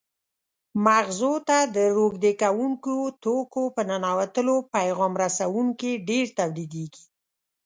مغزو ته د روږدي کوونکو توکو په ننوتلو پیغام رسوونکي ډېر تولیدېږي.